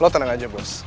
lo tenang aja bos